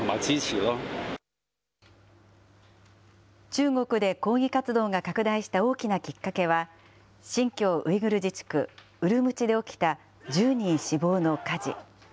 中国で抗議活動が拡大した大きなきっかけは、新疆ウイグル自治区ウルムチで起きた１０人死亡の火事。